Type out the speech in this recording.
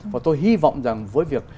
và tôi hy vọng rằng với việc